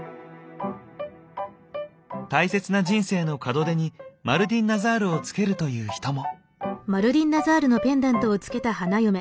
大切な人生の門出にマルディンナザールをつけるという人も。